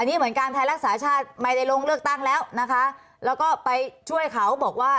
นี่เหมือนกันไทยรักษาชาติไม่ได้ลงเลือกตั้งแล้วนะคะแล้วก็ไปช่วยเขาบอกว่า